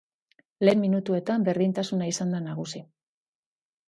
Lehen minutuetan berdintasuna izan da nagusi.